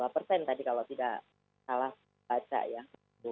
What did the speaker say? dua dua persen tadi kalau tidak salah baca ya bu